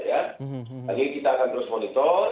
nanti kita akan terus monitor